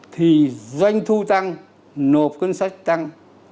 thì doanh thu tăng nộp ngân sách tăng